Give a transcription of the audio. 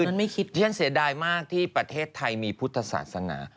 ฉันไม่คิดฉันเสียดายมากที่ประเทศไทยมีพุทธศาสนา